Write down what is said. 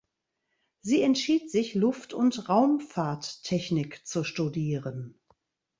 Sie entschied sich, Luft- und Raumfahrttechnik zu studieren.